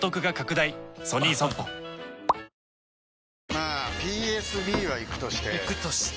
まあＰＳＢはイクとしてイクとして？